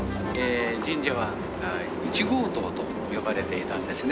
神社は１号棟と呼ばれていたんですね。